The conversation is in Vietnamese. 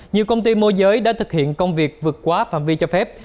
nhiều công ty môi giới đã thực hiện công việc vượt quá phạm vi cho phép